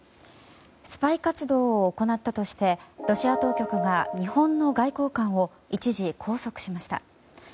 スパイ活動を行ったとしてロシア当局が日本の外交官を一時拘束しました。